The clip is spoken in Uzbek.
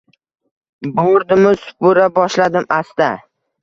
Bordimu supura boshladim asta…